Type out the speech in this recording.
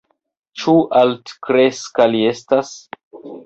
Ĉu altkreska li estas?